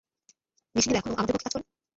মেশিনেরা এখন আমাদের পক্ষেও কাজ করে?